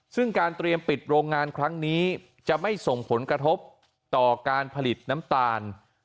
ซึ่งการเตรียมปิดโรงงานครั้งนี้จะไม่ส่งผลกระทบต่อการผลิตน้ำตาล